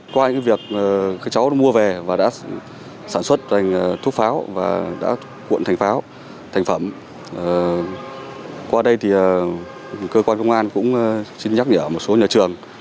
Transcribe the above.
qua việc các cháu mua về và đã sản xuất thành thuốc pháo và đã cuộn thành pháo thành phẩm qua đây thì cơ quan công an cũng xin nhắc nhở một số nhà trường